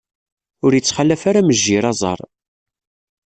Ur ittxalaf ara mejjir aẓaṛ.